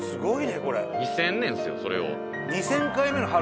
２０００年ですよそれを。